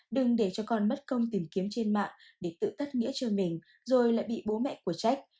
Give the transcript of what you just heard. đừng để cho con mất công tìm kiếm trên mạng để tự tắt nghĩa cho mình rồi lại bị bố mẹ của trách